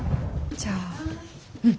じゃあうん。